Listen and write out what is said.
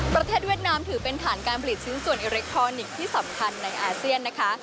เวียดนามถือเป็นฐานการผลิตชิ้นส่วนอิเล็กทรอนิกส์ที่สำคัญในอาเซียนนะคะ